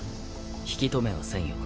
引き留めはせんよ。